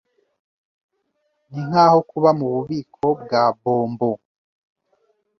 Ninkaho kuba mububiko bwa bombo.